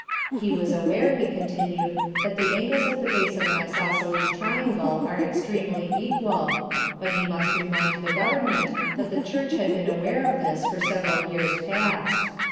He was aware, he continued, that the angles at the base of an isosceles triangle are extremely equal, but he must remind the Government that the Church had been aware of this for several years past.